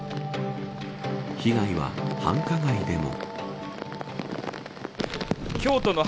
被害は、繁華街でも。